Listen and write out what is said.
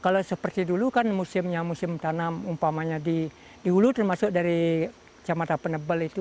kalau seperti dulu kan musimnya musim tanam umpamanya di hulu termasuk dari camatan penebel itu